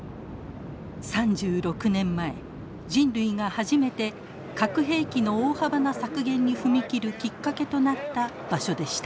３６年前人類が初めて核兵器の大幅な削減に踏み切るきっかけとなった場所でした。